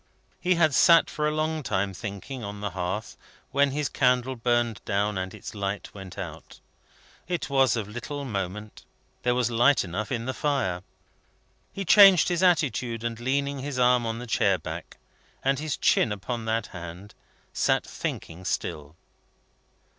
He had sat for a long time thinking, on the hearth, when his candle burned down and its light went out. It was of little moment; there was light enough in the fire. He changed his attitude, and, leaning his arm on the chair back, and his chin upon that hand, sat thinking still.